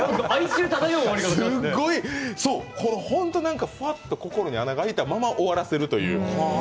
すっごい、ふわっと心に穴が開いたまま終わらせるという。